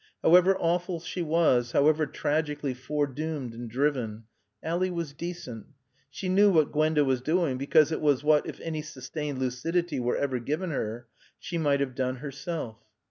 However awful she was, however tragically foredoomed and driven, Ally was decent. She knew what Gwenda was doing because it was what, if any sustained lucidity were ever given her, she might have done herself.